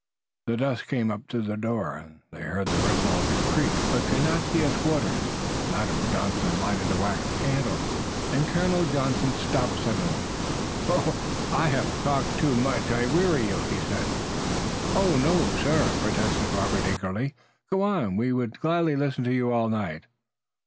The dusk came up to the door. They heard the ripple of the creek, but could not see its waters. Madam Johnson lighted a wax candle, and Colonel Johnson stopped suddenly. "I have talked too much. I weary you," he said. "Oh, no, sir!" protested Robert eagerly. "Go on! We would gladly listen to you all night."